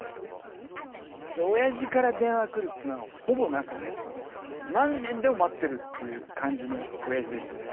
親父から電話来るっていうのはほぼなくて何年でも待ってるっていう感じの親父でしたね。